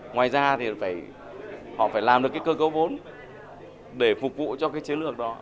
ngoài ra thì họ phải làm được cái cơ cấu vốn để phục vụ cho cái chiến lược đó